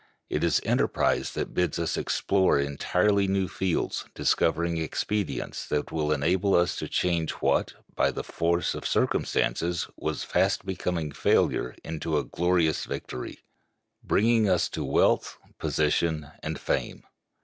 It is enterprise that bids us explore entirely new fields, discovering expedients that enable us to change what, by the force of circumstances, was fast becoming a failure into a glorious victory, bringing to us wealth, position, and fame.